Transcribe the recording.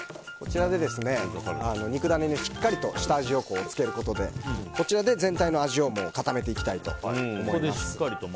肉ダネにしっかりと下味をつけることでこちらで全体の味を固めていきたいと思います。